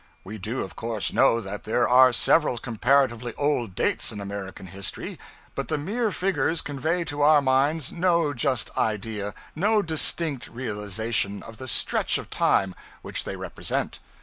We do of course know that there are several comparatively old dates in American history, but the mere figures convey to our minds no just idea, no distinct realization, of the stretch of time which they represent.